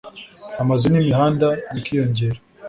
amazu n’imihanda bikiyongera